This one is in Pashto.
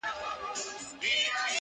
سل کلونه، زرکلونه، ډېر د وړاندي٫